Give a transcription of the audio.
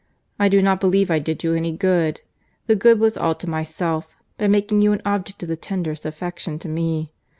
I do not believe I did you any good. The good was all to myself, by making you an object of the tenderest affection to me.